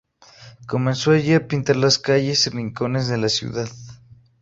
Comenzó allí a pintar las calles y rincones de la ciudad.